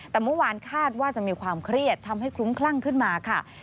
แต่เมื่อวานคาดว่าจะมีความเครียดทำให้คลุ้มคลั่งขึ้นมาค่ะ